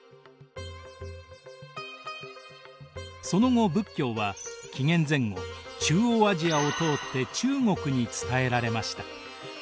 その後仏教は紀元前後中央アジアを通って中国に伝えられました。